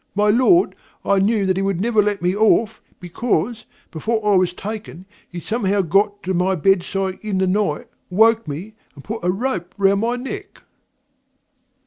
My Lord, I knew he would never let me off because, before I was taken, he somehow got to my bedside in the night, woke me, and put a rope round my neck_.'